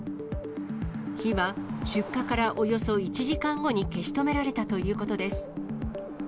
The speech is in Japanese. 火は出火からおよそ１時間後に消し止められたということです。